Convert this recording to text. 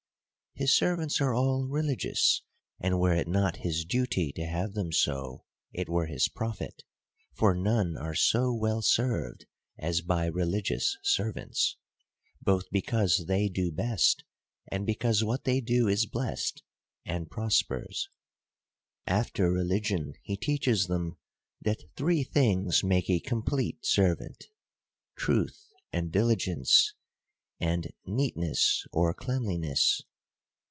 His servants are all religious : and were it not his duty to have them so, it were his profit ; for none are so well served, as by religious servants ; both because they do best, and because what they do is blessed, and prospers. After religion, he teaches them, that three things make a complete servant :— truth, and diligence, and neatness or cleanliness.